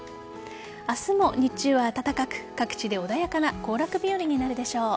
明日も日中は暖かく各地で穏やかな行楽日和になるでしょう。